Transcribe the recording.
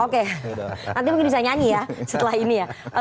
oke nanti mungkin bisa nyanyi ya setelah ini ya